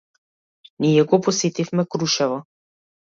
Ние го посетивме Крушево.